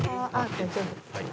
大丈夫。